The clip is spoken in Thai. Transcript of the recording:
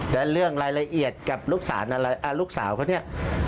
แต่เรื่องรายละเอียดกับลูกสาวเขาเนี่ย